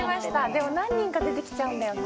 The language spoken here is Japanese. でも何人か出てきちゃうんだよな。